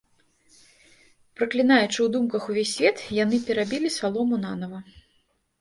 Праклінаючы ў думках увесь свет, яны перабілі салому нанава.